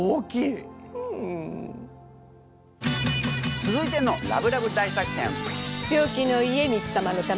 続いてのラブラブ大作戦。